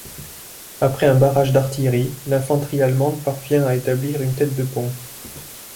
Après un barrage d'artillerie, l'infanterie allemande parvient à établir une tête de pont.